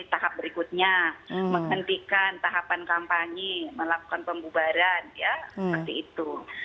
tahap berikutnya menghentikan tahapan kampanye melakukan pembubaran ya seperti itu